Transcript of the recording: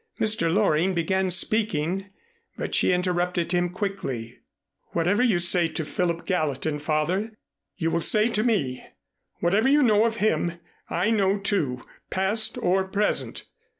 Mr. Loring began speaking, but she interrupted him quickly. "Whatever you say to Philip Gallatin, Father, you will say to me. Whatever you know of him I know, too, past or present.